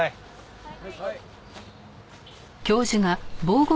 はい。